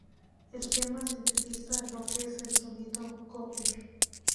El tema sintetiza lo que es el "sonido Gopher".